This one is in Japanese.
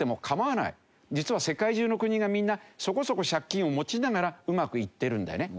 実は世界中の国がみんなそこそこ借金を持ちながらうまくいってるんだよね。